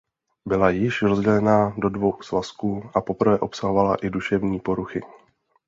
Byla již rozdělena do dvou svazků a poprvé obsahovala i duševní poruchy.